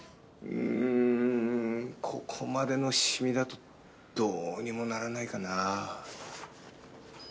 うんここまでのシミだとどうにもならないかな。